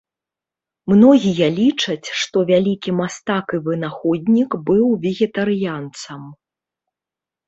Многія лічаць, што вялікі мастак і вынаходнік быў вегетарыянцам.